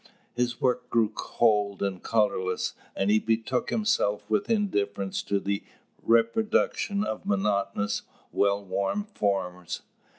His work grew cold and colourless; and he betook himself with indifference to the reproduction of monotonous, well worn forms.